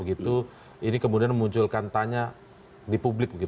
ini kemudian memunculkan tanya di publik